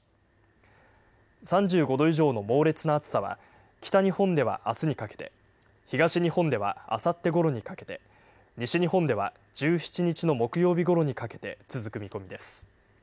３５度以上の猛烈な暑さは北日本ではあすにかけて、東日本ではあさってごろにかけて、西日本では１７日の木曜日ごろにかけて続く見込みです。